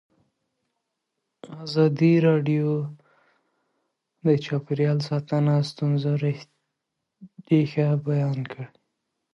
ازادي راډیو د چاپیریال ساتنه د ستونزو رېښه بیان کړې.